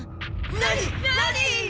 何何！？